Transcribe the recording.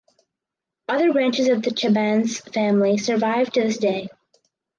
Other branches of the Chabannes family survive to this day.